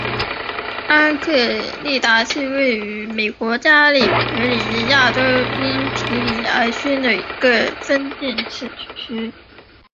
阿科利塔是位于美国加利福尼亚州因皮里尔县的一个非建制地区。